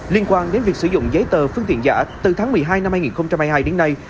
liên quan đến việc sử dụng giấy tờ phương tiện giả từ tháng một mươi hai năm hai nghìn hai mươi hai đến nay